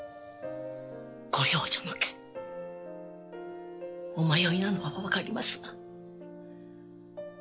ご養女の件お迷いなのは分かりますが。